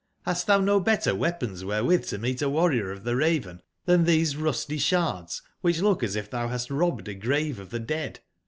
Rast thou no better weapons wherewith to meet a warrior of the Raven than these rusty shards, which look asif thou hastrobbed a grave of the dead?!